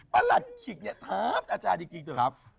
ประหลัดขิกเนี่ยถามอาจารย์อีกเดี๋ยว